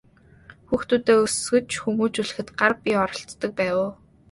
Хүүхдүүдээ өсгөж хүмүүжүүлэхэд гар бие оролцдог байв уу?